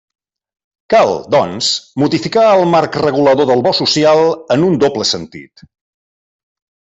Cal, doncs, modificar el marc regulador del bo social en un doble sentit.